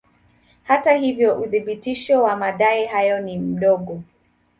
Hata hivyo uthibitisho wa madai hayo ni mdogo.